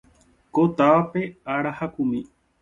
Ko távape ára hakumi.